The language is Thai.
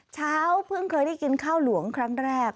เช้าเพิ่งเคยได้กินข้าวหลวงครั้งแรก